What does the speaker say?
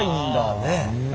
ねえ。